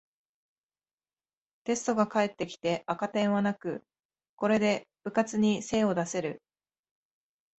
テストが返ってきて赤点はなく、これで部活に精を出せる